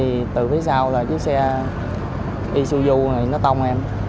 thì từ phía sau là chiếc xe isuzu nó tông em